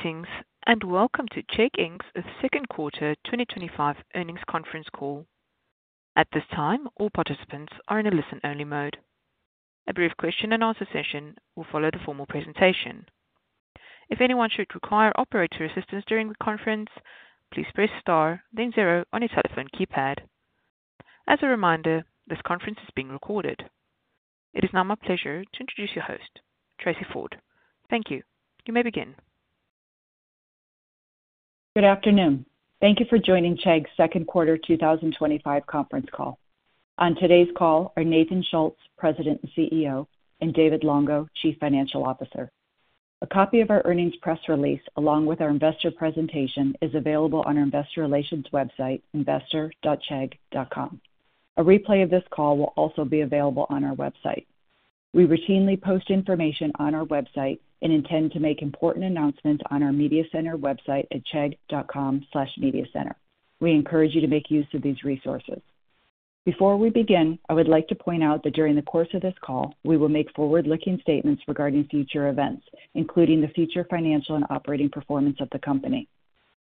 Greetings, and welcome to Chegg Inc.'s Second Quarter 2025 Earnings Conference Call. At this time, all participants are in a listen-only mode. A brief question and answer session will follow the formal presentation. If anyone should require operator assistance during the conference, please press star, then zero on your telephone keypad. As a reminder, this conference is being recorded. It is now my pleasure to introduce your host, Tracey Ford. Thank you. You may begin. Good afternoon. Thank you for joining Chegg's Second Quarter 2025 Conference Call. On today's call are Nathan Schultz, President and CEO, and David Longo, Chief Financial Officer. A copy of our earnings press release, along with our investor presentation, is available on our investor relations website, investor.chegg.com. A replay of this call will also be available on our website. We routinely post information on our website and intend to make important announcements on our media center website at chegg.com/mediacenter. We encourage you to make use of these resources. Before we begin, I would like to point out that during the course of this call, we will make forward-looking statements regarding future events, including the future financial and operating performance of the company.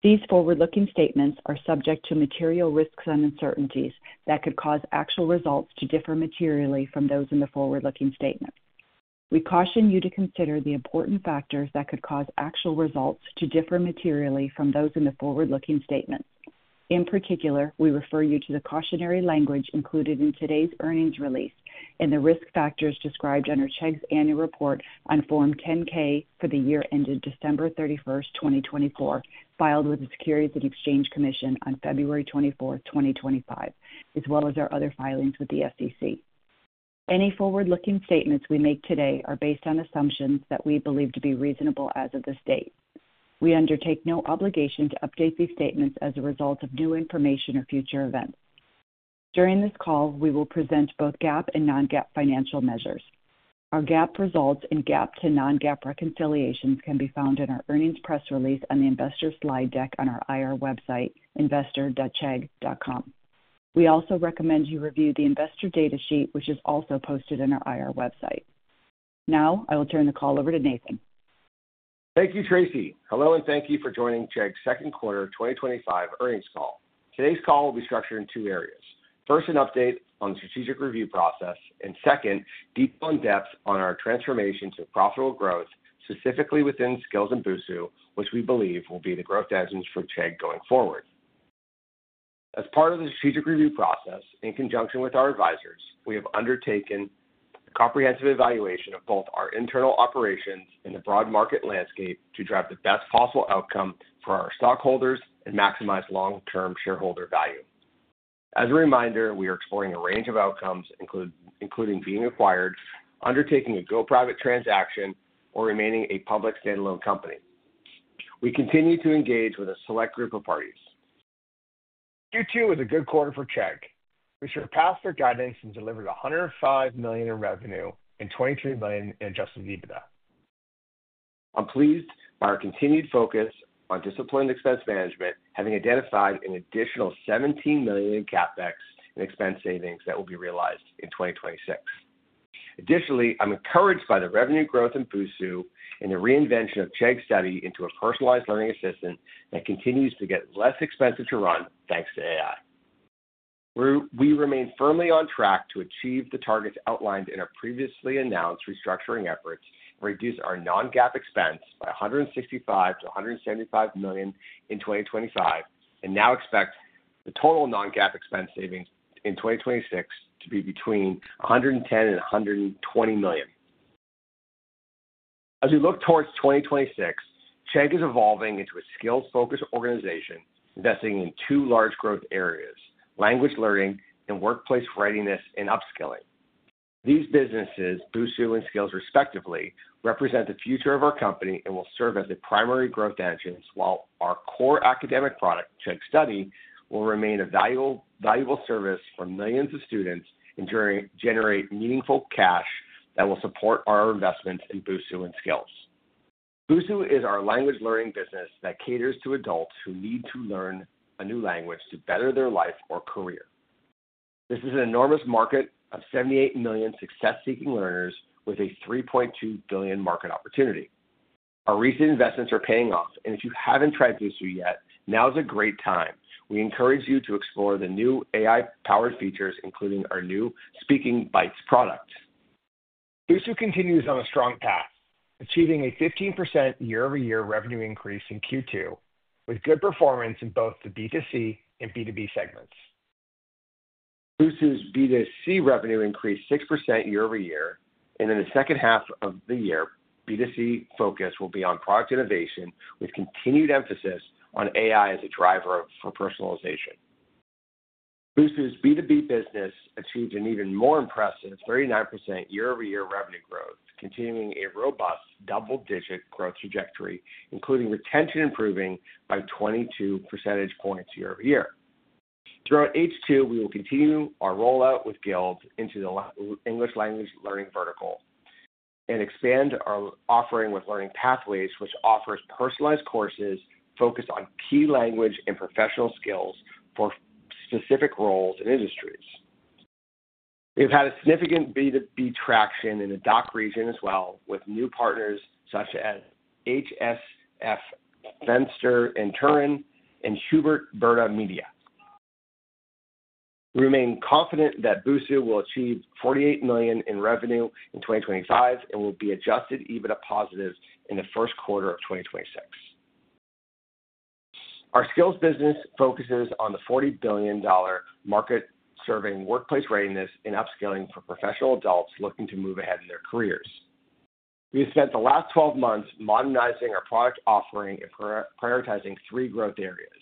These forward-looking statements are subject to material risks and uncertainties that could cause actual results to differ materially from those in the forward-looking statement. We caution you to consider the important factors that could cause actual results to differ materially from those in the forward-looking statement. In particular, we refer you to the cautionary language included in today's earnings release and the risk factors described under Chegg's annual report on Form 10-K for the year ended December 31st, 2024, filed with the Securities and Exchange Commission on February 24th, 2025, as well as our other filings with the SEC. Any forward-looking statements we make today are based on assumptions that we believe to be reasonable as of this date. We undertake no obligation to update these statements as a result of new information or future events. During this call, we will present both GAAP and non-GAAP financial measures. Our GAAP results and GAAP to non-GAAP reconciliations can be found in our earnings press release on the investor slide deck on our IR website, investor.chegg.com. We also recommend you review the investor data sheet, which is also posted on our IR website. Now, I will turn the call over to Nathan. Thank you, Tracey. Hello and thank you for joining Chegg's Second Quarter 2025 Earnings Call. Today's call will be structured in two areas. First, an update on the strategic review process, and second, deeper in depth on our transformation to profitable growth, specifically within Skills and Busuu, which we believe will be the growth engines for Chegg going forward. As part of the strategic review process, in conjunction with our advisors, we have undertaken a comprehensive evaluation of both our internal operations and the broad market landscape to drive the best possible outcome for our stockholders and maximize long-term shareholder value. As a reminder, we are exploring a range of outcomes, including being acquired, undertaking a go-private transaction, or remaining a public standalone company. We continue to engage with a select group of parties. Q2 was a good quarter for Chegg. We surpassed their guidance and delivered $105 million in revenue and $23 million in adjusted EBITDA. I'm pleased by our continued focus on disciplined expense management, having identified an additional $17 million in CapEx and expense savings that will be realized in 2026. Additionally, I'm encouraged by the revenue growth in Busuu and the reinvention of Chegg Study into a Personalized Learning Assistant that continues to get less expensive to run thanks to AI. We remain firmly on track to achieve the targets outlined in our previously announced restructuring efforts and reduce our non-GAAP expense by $165 million-$175 million in 2025, and now expect the total non-GAAP expense savings in 2026 to be between $110 million and $120 million. As we look towards 2026, Chegg is evolving into a skills-focused organization, investing in two large growth areas: language learning and workplace readiness and upskilling. These businesses, Busuu and Skills respectively, represent the future of our company and will serve as the primary growth engines, while our core academic product, Chegg Study, will remain a valuable service for millions of students and generate meaningful cash that will support our investments in Busuu and Skills. Busuu is our language learning business that caters to adults who need to learn a new language to better their life or career. This is an enormous market of 78 million success-seeking learners with a $3.2 billion market opportunity. Our recent investments are paying off, and if you haven't tried Busuu yet, now is a great time. We encourage you to explore the new AI-powered features, including our new Speaking Bites product. Busuu continues on a strong path, achieving a 15% year-over-year revenue increase in Q2, with good performance in both the B2C and B2B segments. Busuu's B2C revenue increased 6% year-over-year, and in the second half of the year, B2C focus will be on product innovation, with continued emphasis on AI as a driver for personalization. Busuu's B2B business achieved an even more impressive 39% year-over-year revenue growth, continuing a robust double-digit growth trajectory, including retention improving by 22 percentage points year-over-year. Throughout H2, we will continue our rollout with Guild into the English language learning vertical and expand our offering with Learning Pathways, which offers personalized courses focused on key language and professional skills for specific roles and industries. We've had significant B2B traction in the DACH region as well, with new partners such as HSF Fenster & Turen and Hubert Berta Media. We remain confident that Busuu will achieve $48 million in revenue in 2025 and will be adjusted EBITDA positive in the first quarter of 2026. Our Skills business focuses on the $40 billion market serving workplace readiness and upskilling for professional adults looking to move ahead in their careers. We've spent the last 12 months modernizing our product offering and prioritizing three growth areas: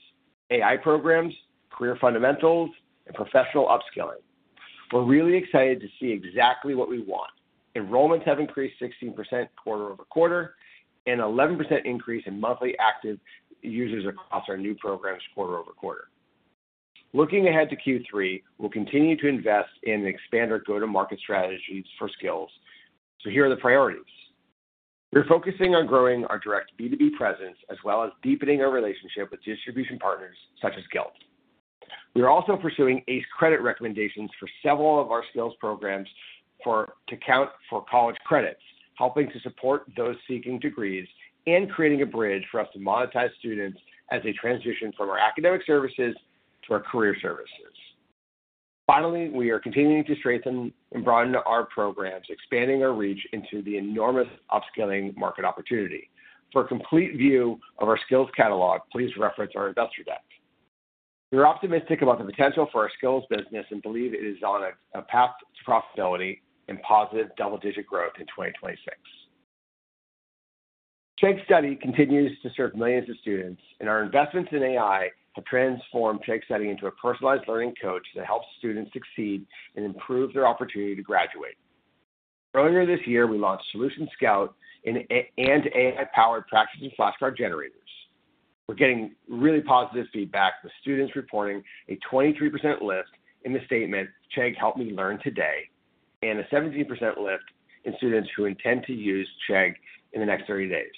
AI programs, career fundamentals, and professional upskilling. We're really excited to see exactly what we want. Enrollments have increased 16% quarter-over-quarter and an 11% increase in monthly active users across our new programs quarter over quarter. Looking ahead to Q3, we'll continue to invest in and expand our go-to-market strategies for Skills. Here are the priorities. We're focusing on growing our direct B2B presence, as well as deepening our relationship with distribution partners such as Guild. We are also pursuing ACE credit recommendations for several of our Skills programs to count for college credits, helping to support those seeking degrees and creating a bridge for us to monetize students as they transition from our academic services to our career services. Finally, we are continuing to strengthen and broaden our programs, expanding our reach into the enormous upskilling market opportunity. For a complete view of our Skills catalog, please reference our investor deck. We're optimistic about the potential for our Skills business and believe it is on a path to profitability and positive double-digit growth in 2026. Chegg Study continues to serve millions of students, and our investments in AI have transformed Chegg Study into a personalized learning coach that helps students succeed and improve their opportunity to graduate. Earlier this year, we launched Solution Scout and AI-powered practicing flashcard generators. We're getting really positive feedback with students reporting a 23% lift in the statement, "Chegg helped me learn today," and a 17% lift in students who intend to use Chegg in the next 30 days.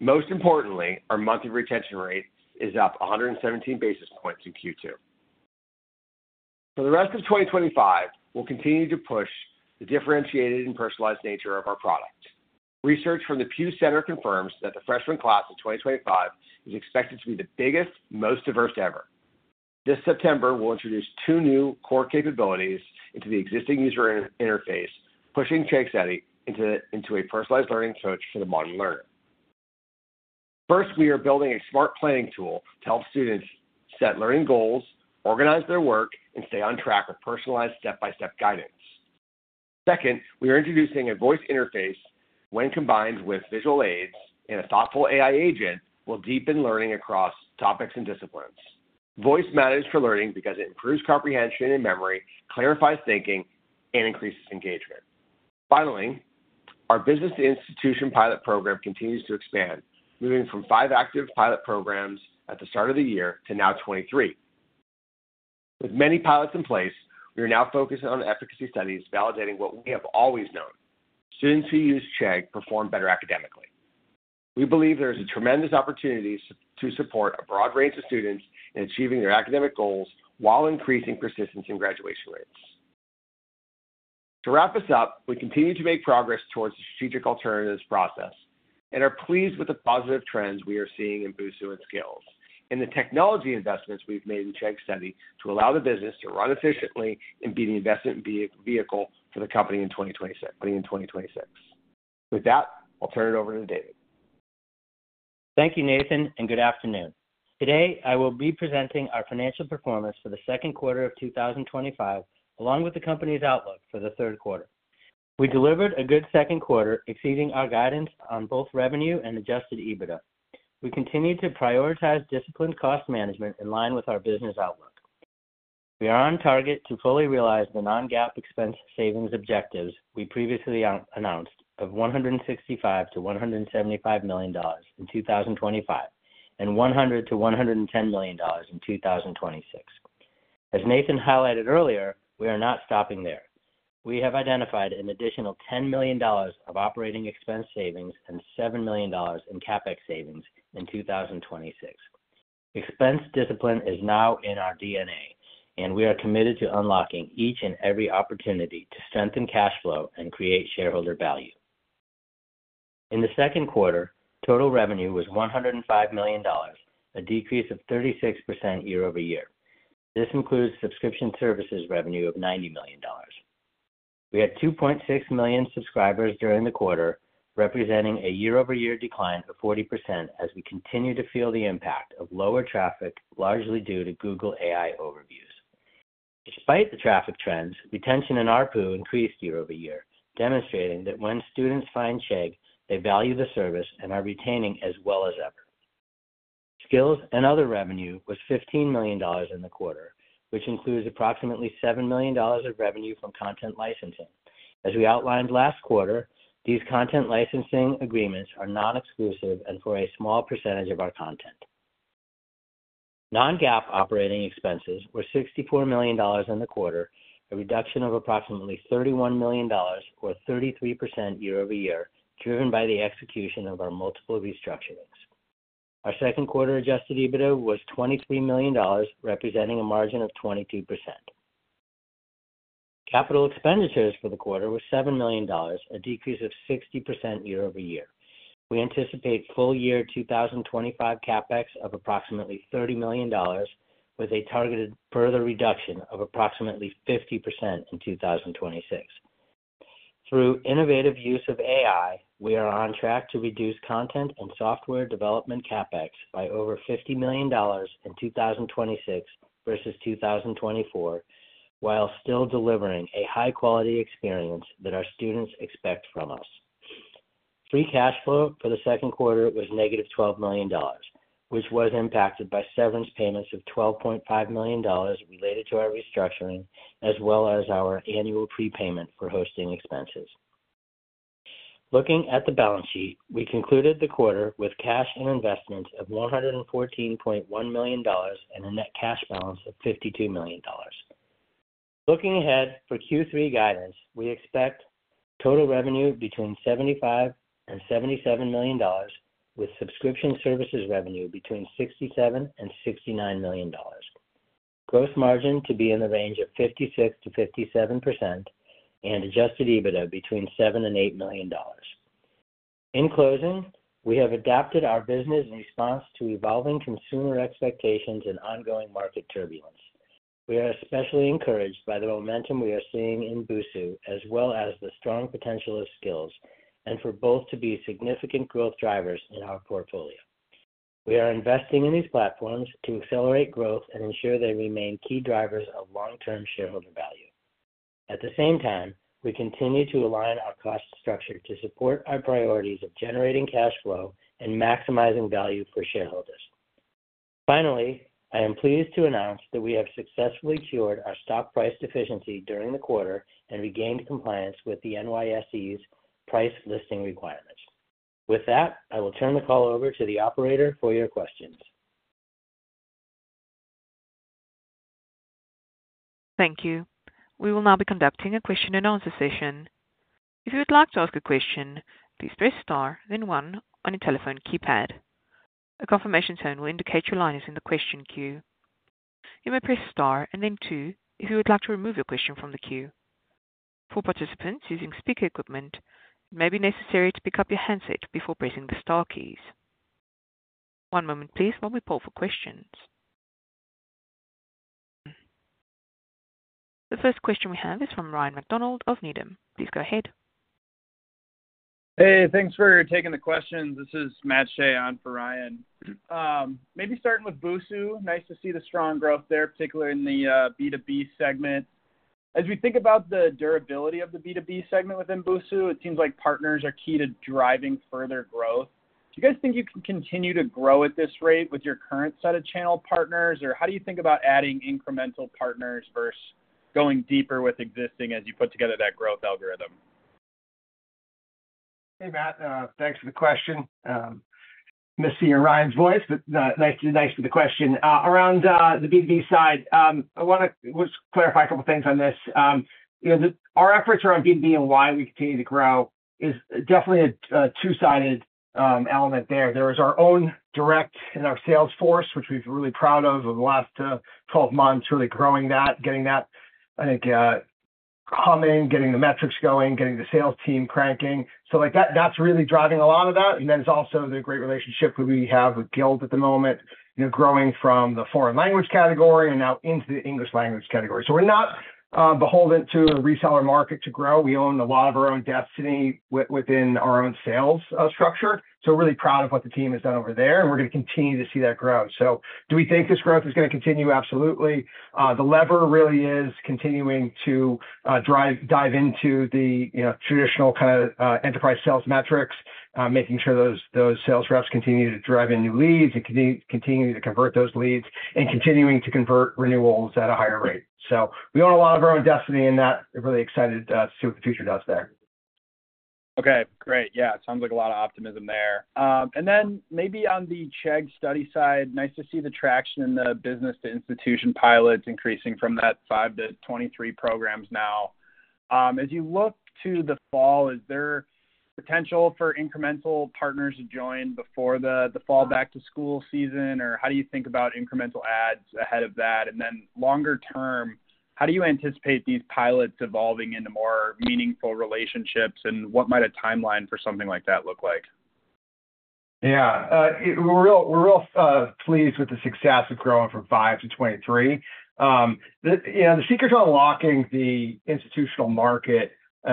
Most importantly, our monthly retention rate is up 117 basis points in Q2. For the rest of 2025, we'll continue to push the differentiated and personalized nature of our product. Research from the Pew Center confirms that the freshman class of 2025 is expected to be the biggest, most diverse ever. This September, we'll introduce two new core capabilities into the existing user interface, pushing Chegg Study into a personalized learning coach for the modern learner. First, we are building a smart planning tool to help students set learning goals, organize their work, and stay on track with personalized step-by-step guidance. Second, we are introducing a voice interface which, combined with visual aids and a thoughtful AI agent, will deepen learning across topics and disciplines. Voice matters for learning because it improves comprehension and memory, clarifies thinking, and increases engagement. Finally, our business institution pilot program continues to expand, moving from five active pilot programs at the start of the year to now 23. With many pilots in place, we are now focusing on efficacy studies, validating what we have always known: students who use Chegg perform better academically. We believe there is a tremendous opportunity to support a broad range of students in achieving their academic goals while increasing persistence in graduation rates. To wrap this up, we continue to make progress towards the strategic alternatives process and are pleased with the positive trends we are seeing in Busuu and Skills and the technology investments we've made in Chegg Study to allow the business to run efficiently and be the investment vehicle for the company in 2026. With that, I'll turn it over to David. Thank you, Nathan, and good afternoon. Today, I will be presenting our financial performance for the second quarter of 2025, along with the company's outlook for the third quarter. We delivered a good second quarter, exceeding our guidance on both revenue and adjusted EBITDA. We continue to prioritize disciplined cost management in line with our business outlook. We are on target to fully realize the non-GAAP expense savings objectives we previously announced of $165 million-$175 million in 2025 and $100 million- $110 million in 2026. As Nathan highlighted earlier, we are not stopping there. We have identified an additional $10 million of operating expense savings and $7 million in CapEx savings in 2026. Expense discipline is now in our DNA, and we are committed to unlocking each and every opportunity to strengthen cash flow and create shareholder value. In the second quarter, total revenue was $105 million, a decrease of 36% year-over-year. This includes subscription services revenue of $90 million. We had 2.6 million subscribers during the quarter, representing a year-over-year decline of 40% as we continue to feel the impact of lower traffic, largely due to Google AI overviews. Despite the traffic trends, retention in our pool increased year-over-year, demonstrating that when students find Chegg, they value the service and are retaining as well as ever. Skills and other revenue was $15 million in the quarter, which includes approximately $7 million of revenue from content licensing. As we outlined last quarter, these content licensing agreements are non-exclusive and for a small percentage of our content. Non-GAAP operating expenses were $64 million in the quarter, a reduction of approximately $31 million or 33% year-over-year, driven by the execution of our multiple restructurings. Our second quarter adjusted EBITDA was $23 million, representing a margin of 22%. Capital expenditures for the quarter were $7 million, a decrease of 60% year-over-year. We anticipate full-year 2025 CapEx of approximately $30 million, with a targeted further reduction of approximately 50% in 2026. Through innovative use of AI, we are on track to reduce content and software development CapEx by over $50 million in 2026 versus 2024, while still delivering a high-quality experience that our students expect from us. Free cash flow for the second quarter was negative $12 million, which was impacted by severance payments of $12.5 million related to our restructuring, as well as our annual prepayment for hosting expenses. Looking at the balance sheet, we concluded the quarter with cash and investments of $114.1 million and a net cash balance of $52 million. Looking ahead for Q3 guidance, we expect total revenue between $75 million and $77 million, with subscription services revenue between $67 million and $69 million. Gross margin to be in the range of 56%-57% and adjusted EBITDA between $7 million and $8 million. In closing, we have adapted our business in response to evolving consumer expectations and ongoing market turbulence. We are especially encouraged by the momentum we are seeing in Busuu, as well as the strong potential of Skills, and for both to be significant growth drivers in our portfolio. We are investing in these platforms to accelerate growth and ensure they remain key drivers of long-term shareholder value. At the same time, we continue to align our cost structure to support our priorities of generating cash flow and maximizing value for shareholders. Finally, I am pleased to announce that we have successfully cured our stock price deficiency during the quarter and regained compliance with the NYSE's price listing requirements. With that, I will turn the call over to the operator for your questions. Thank you. We will now be conducting a question and answer session. If you would like to ask a question, please press star then one on your telephone keypad. A confirmation sound will indicate your line is in the question queue. You may press star and then two if you would like to remove your question from the queue. For participants using speaker equipment, it may be necessary to pick up your handset before pressing the star keys. One moment, please, while we poll for questions. The first question we have is from Ryan MacDonald of Needham. Please go ahead. Hey, thanks for taking the question. This is Matt Shea on for Ryan. Maybe starting with Busuu, nice to see the strong growth there, particularly in the B2B segment. As we think about the durability of the B2B segment within Busuu, it seems like partners are key to driving further growth. Do you guys think you can continue to grow at this rate with your current set of channel partners, or how do you think about adding incremental partners versus going deeper with existing as you put together that growth algorithm? Hey, Matt. Thanks for the question. Missing your Ryan's voice, but nice for the question. Around the B2B side, I want to clarify a couple of things on this. You know, our efforts around B2B and why we continue to grow is definitely a two-sided element there. There is our own direct and our sales force, which we've been really proud of over the last 12 months, really growing that, getting that, I think, humming, getting the metrics going, getting the sales team cranking. That is really driving a lot of that. It is also the great relationship that we have with Guild at the moment, growing from the foreign language category and now into the English language category. We are not beholden to a reseller market to grow. We own a lot of our own destiny within our own sales structure. We are really proud of what the team has done over there, and we are going to continue to see that grow. Do we think this growth is going to continue? Absolutely. The lever really is continuing to drive into the traditional kind of enterprise sales metrics, making sure those sales reps continue to drive in new leads and continue to convert those leads and continuing to convert renewals at a higher rate. We own a lot of our own destiny in that. I am really excited to see what the future does there. Okay, great. It sounds like a lot of optimism there. Maybe on the Chegg Study side, nice to see the traction in the business-to-institution pilots increasing from that 5 to 23 programs now. As you look to the fall, is there potential for incremental partners to join before the fall back-to-school season, or how do you think about incremental adds ahead of that? Longer term, how do you anticipate these pilots evolving into more meaningful relationships, and what might a timeline for something like that look like? Yeah, we're real pleased with the success of growing from 5 to 23. The secret to unlocking the institutional market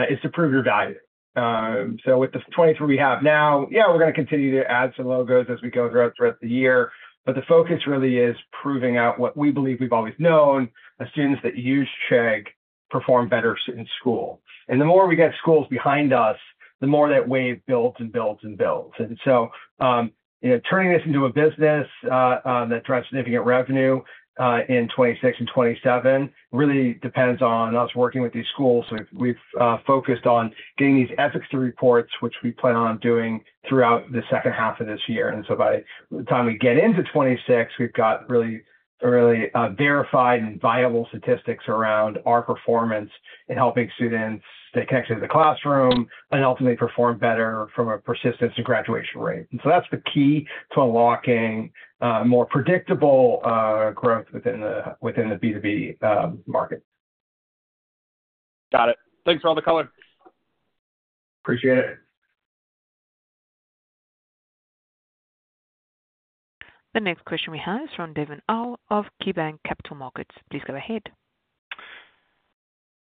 is to prove you're valued. With the 23 we have now, we're going to continue to add some logos as we go throughout the year. The focus really is proving out what we believe we've always known: students that use Chegg perform better in school. The more we get schools behind us, the more that wave builds and builds and builds. Turning this into a business that drives significant revenue in 2026 and 2027 really depends on us working with these schools. We've focused on getting these efficacy reports, which we plan on doing throughout the second half of this year. By the time we get into 2026, we've got really, really verified and viable statistics around our performance in helping students make connections to the classroom and ultimately perform better from a persistence and graduation rate. That's the key to unlocking more predictable growth within the B2B market. Got it. Thanks for all the color. Appreciate it. The next question we have is from Devin Au of KeyBanc Capital Markets. Please go ahead.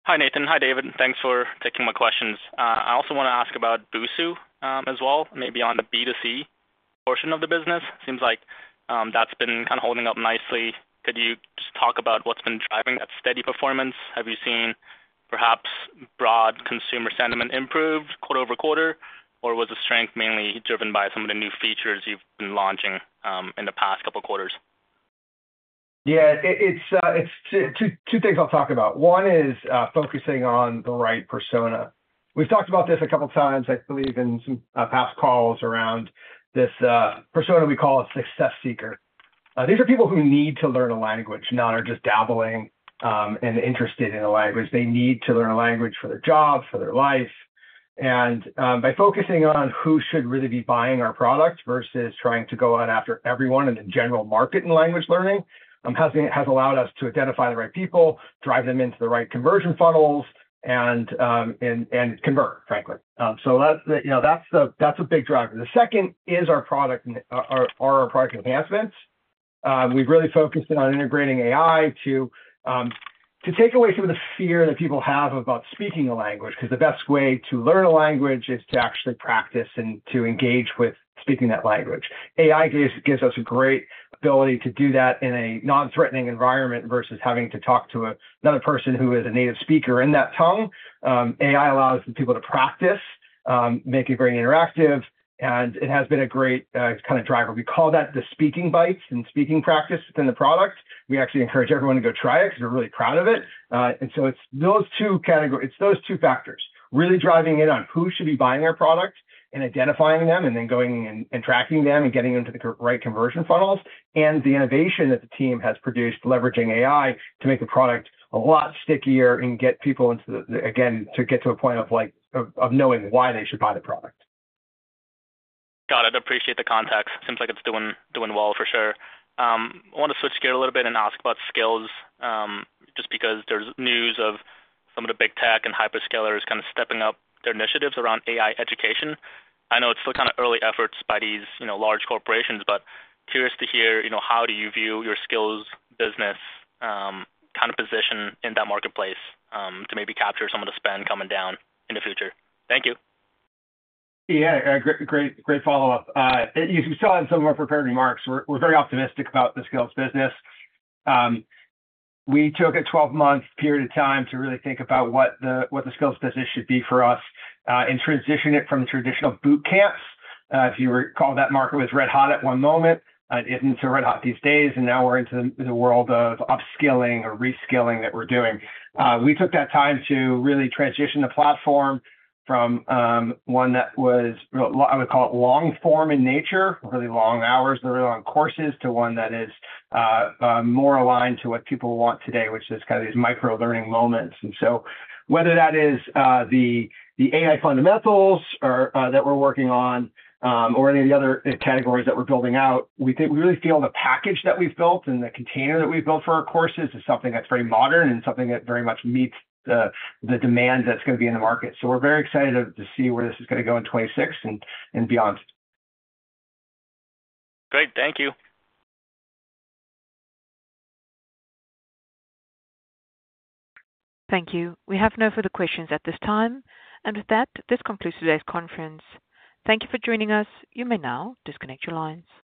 Hi, Nathan. Hi, David. Thanks for taking my questions. I also want to ask about Busuu as well, maybe on the B2C portion of the business. It seems like that's been holding up nicely. Could you just talk about what's been driving that steady performance? Have you seen perhaps broad consumer sentiment improve quarter-over-quarter, or was the strength mainly driven by some of the new features you've been launching in the past couple of quarters? Yeah, it's two things I'll talk about. One is focusing on the right persona. We've talked about this a couple of times, I believe, in some past calls around this persona we call a success seeker. These are people who need to learn a language, not just dabbling and interested in a language. They need to learn a language for their job, for their life. By focusing on who should really be buying our product versus trying to go out after everyone in the general market in language learning, it has allowed us to identify the right people, drive them into the right conversion funnels, and convert, frankly. That's a big driver. The second is our product and our product enhancements. We've really focused on integrating AI to take away some of the fear that people have about speaking a language, because the best way to learn a language is to actually practice and to engage with speaking that language. AI gives us a great ability to do that in a non-threatening environment versus having to talk to another person who is a native speaker in that tongue. AI allows people to practice, make it very interactive, and it has been a great kind of driver. We call that the Speaking Bites and Speaking Practice within the product. We actually encourage everyone to go try it because we're really proud of it. It's those two categories, it's those two factors really driving in on who should be buying our product and identifying them, then going and tracking them and getting them to the right conversion funnels, and the innovation that the team has produced leveraging AI to make the product a lot stickier and get people into, again, to get to a point of like knowing why they should buy the product. Got it. I appreciate the context. It seems like it's doing well for sure. I want to switch gears a little bit and ask about Chegg Skills just because there's news of some of the big tech and hyperscalers kind of stepping up their initiatives around AI education. I know it's still kind of early efforts by these large corporations, but curious to hear how do you view your Chegg Skills business kind of position in that marketplace to maybe capture some of the spend coming down in the future? Thank you. Yeah, great follow-up. As we saw in some of our prepared remarks, we're very optimistic about the Skills business. We took a 12-month period of time to really think about what the Skills business should be for us and transition it from the traditional boot camps. If you recall that market was red-hot at one moment, it isn't so red-hot these days, and now we're into the world of upskilling or reskilling that we're doing. We took that time to really transition the platform from one that was, I'm going to call it long-form in nature, really long hours, the really long courses, to one that is more aligned to what people want today, which is kind of these micro-learning moments. Whether that is the AI fundamentals that we're working on or any of the other categories that we're building out, we really feel the package that we've built and the container that we've built for our courses is something that's very modern and something that very much meets the demands that's going to be in the market. We're very excited to see where this is going to go in 2026 and beyond. Great. Thank you. Thank you. We have no further questions at this time. With that, this concludes today's conference. Thank you for joining us. You may now disconnect your lines.